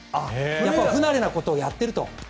今は不慣れなことをやっていると。